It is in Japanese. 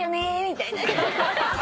みたいな。